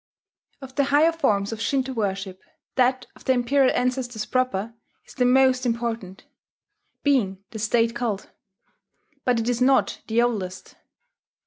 Of the higher forms of Shinto worship, that of the imperial ancestors proper is the most important, being the State cult; but it is not the oldest.